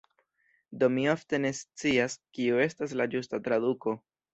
Do mi ofte ne scias, kiu estas la ĝusta traduko.